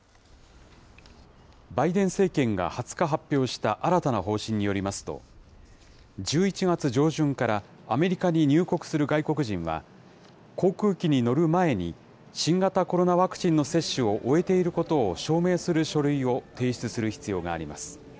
バイデン政権が２０日発表した新たな方針によりますと、１１月上旬からアメリカに入国する外国人は、航空機に乗る前に新型コロナワクチンの接種を終えていることを証明する書類を提出する必要があります。